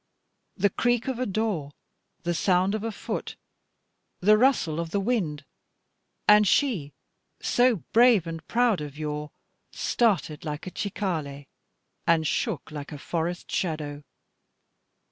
The creak of a door, the sound of a foot, the rustle of the wind and she, so brave and proud of yore, started like a cicale, and shook like a forest shadow.